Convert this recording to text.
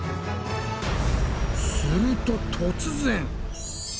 すると突然！